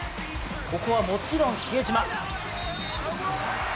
ここは、もちろん比江島。